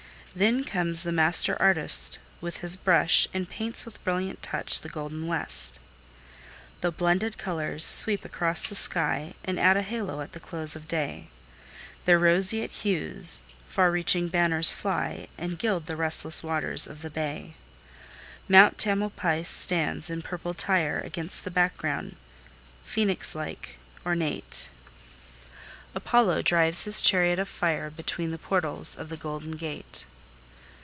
Then comes the Master Artist with his brush, And paints with brilliant touch the golden west. The blended colors sweep across the sky, And add a halo at the close of day. Their roseate hues far reaching banners fly, And gild the restless waters of the bay. Mount Tamalpais stands in purple 'tire Against the background, Phoenixlike, ornate: Apollo drives his chariot of fire Between the portals of the Golden Gate.